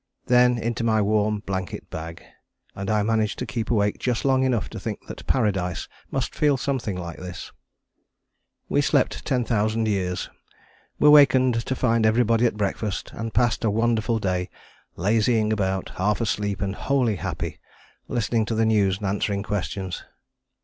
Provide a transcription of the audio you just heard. Then into my warm blanket bag, and I managed to keep awake just long enough to think that Paradise must feel something like this. We slept ten thousand thousand years, were wakened to find everybody at breakfast, and passed a wonderful day, lazying about, half asleep and wholly happy, listening to the news and answering questions.